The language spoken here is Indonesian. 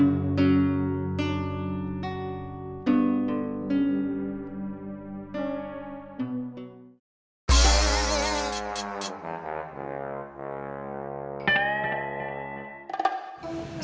biar kita jadi lebih tenang